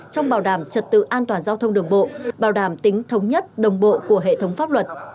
trong bảo đảm trật tự an toàn giao thông đường bộ bảo đảm tính thống nhất đồng bộ của hệ thống pháp luật